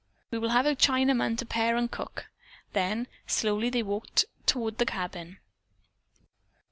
We will have a Chinaman to pare and cook." Then slowly they walked toward the cabin.